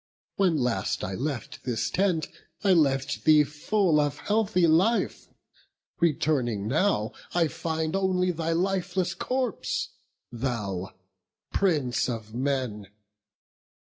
When last I left this tent, I left thee full Of healthy life; returning now, I find Only thy lifeless corpse, thou Prince of men!